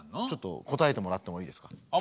ちょっと答えてもらってもいいですか？